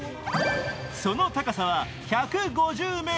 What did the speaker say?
その高さは１５０ｍ。